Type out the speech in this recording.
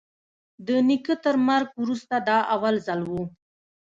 د نيکه تر مرگ وروسته دا اول ځل و.